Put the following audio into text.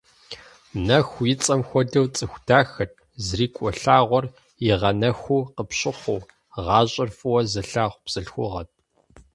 Нэху и цӀэм хуэдэу цӀыху дахэт, зрикӀуэ лъагъуэр игъэнэхуу къыпщыхъуу, гъащӀэр фӀыуэ зылъагъу бзылъхугъэт.